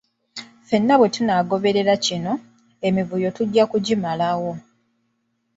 Ffenna bwe tanaagoberera kino, emivuyo tujja kugimalawo.